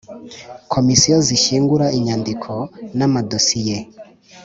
Komisiyo zishyingura inyandiko n amadosiye